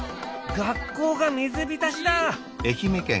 学校が水浸しだ！